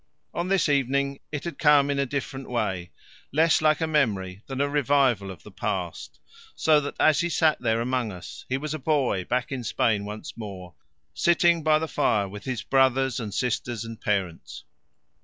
On this evening it had come in a different way, less like a memory than a revival of the past, so that as he sat there among us, he was a boy back in Spain once more, sitting by the fire with his brothers and sisters and parents.